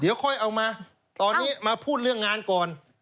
เดี๋ยวค่อยเอามาตอนนี้มาพูดเรื่องงานก่อน